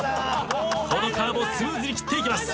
このカーブをスムーズに切っていきます。